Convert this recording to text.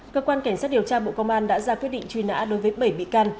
cơ quan cảnh sát điều tra bộ công an đã ra quyết định truy nã đối với bảy bị can